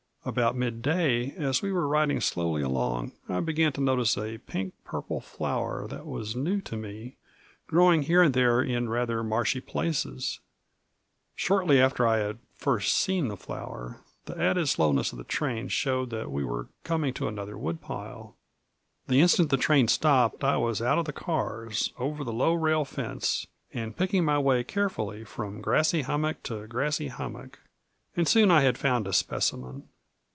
About mid day, as we were riding slowly along, I began to notice a pink purple flower that was new to me, growing here and there in rather marshy places. Shortly after I had first seen the flower the added slowness of the train showed that we were coming to another woodpile. The instant the train stopped I was out of the cars, over the low rail fence, and picking my way carefully from grassy hummock to grassy hummock; and soon I had found a specimen.